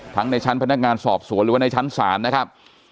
ในชั้นพนักงานสอบสวนหรือว่าในชั้นศาลนะครับ